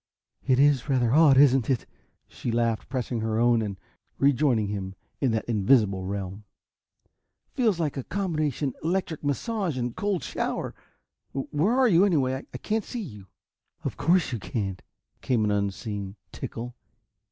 "It is rather odd, isn't it?" she laughed, pressing her own and joining him in that invisible realm. "Feels like a combination electric massage and cold shower! Where are you, anyway? I can't see you." "Of course you can't!" came an unseen tinkle.